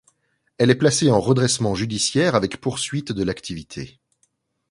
Elle est placée en redressement judiciaire avec poursuite de l'activité.